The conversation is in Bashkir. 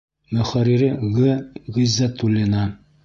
Мөхәррире Г. Ғиззәтуллина.